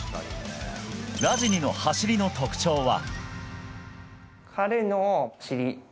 ラジニの走りの特徴は。